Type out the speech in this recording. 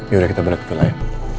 yaudah kita balik ke villa ya